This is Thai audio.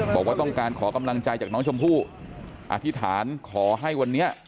บอกว่าต้องการขอกำลังใจจากน้องชมพู่อธิษฐานขอให้วันนี้